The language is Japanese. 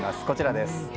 こちらです。